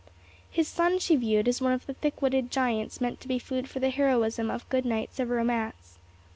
His son she viewed as one of the thickwitted giants meant to be food for the heroism of good knights of romance.